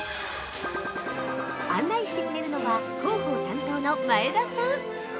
案内してくれるのは広報担当の前田さん。